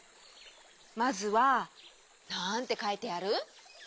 まずはなんてかいてある？